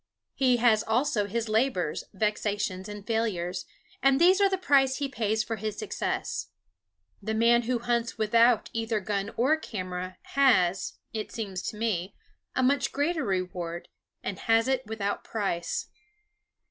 He has also his labors, vexations, and failures; and these are the price he pays for his success. The man who hunts without either gun or camera has, it seems to me, a much greater reward, and has it without price.